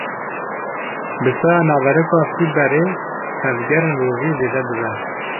Bi saya naveroka fîberê, tevgerên rûvî zêde dibe.